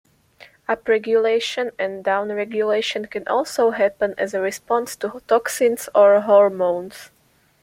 Upregulation and downregulation can also happen as a response to toxins or hormones.